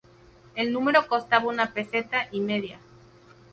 El número costaba una peseta y media.